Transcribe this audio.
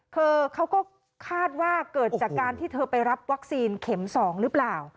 คือเขาก็คาดว่าเกิดจากการที่เธอไปรับวัคซีนเข็ม๒หรือเปล่า